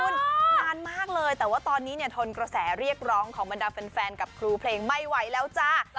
นานมากเลยแต่ว่าตอนนี้เนี่ยทนกระแสเรียกร้องของบรรดาแฟนกับครูเพลงไม่ไหวแล้วจ้า